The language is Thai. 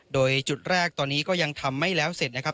โดยจุดแรกตอนนี้ก็ยังทำไม่แล้วเสร็จนะครับ